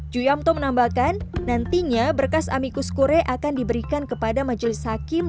ju yamto menambahkan nantinya berkas amikus kure akan diberikan kepada majelis hakim